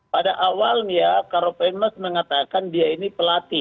pada awalnya karopenmas mengatakan dia ini pelatih